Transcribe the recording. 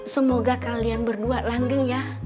semoga kalian berdua lagi ya